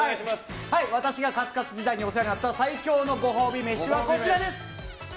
私がカツカツ時代にお世話になった最強のご褒美飯はこちらです。